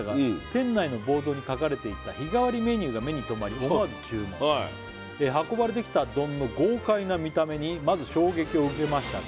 「店内のボードに書かれていた日替わりメニューが」「目に留まり思わず注文」「運ばれてきた丼の豪華な見た目にまず衝撃を受けましたが」